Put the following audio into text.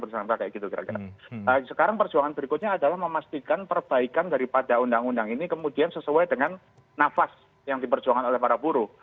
sekarang perjuangan berikutnya adalah memastikan perbaikan daripada undang undang ini kemudian sesuai dengan nafas yang diperjuangkan oleh para buruh